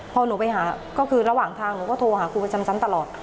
พอหนูไปหาก็คือระหว่างทางหนูก็โทรหาครูประจำชั้นตลอด